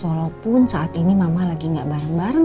walaupun saat ini mama lagi nggak bareng bareng